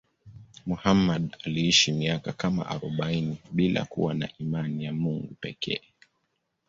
Muhammad aliishi miaka kama arobaini bila kuwa na imani ya Mungu pekee.